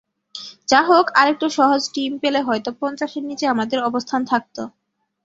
যাহোক, আরেকটু সহজ টিম পেলে হয়তো পঞ্চাশের নিচে আমাদের অবস্থান থাকত।